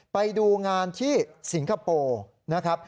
ไปดูงานที่สิงคโปร์